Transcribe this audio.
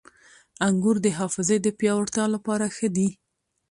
• انګور د حافظې د پیاوړتیا لپاره ښه دي.